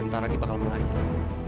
ntar lagi bakal melayang